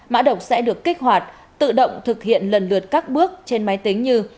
mã độc sẽ được kích hoạt tự động thực hiện lần lượt các bước trên máy tính như